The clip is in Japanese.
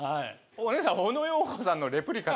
お姉さん「オノ・ヨーコさんのレプリカ」？